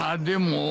でも。